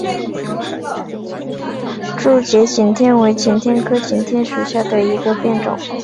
珠节景天为景天科景天属下的一个变种。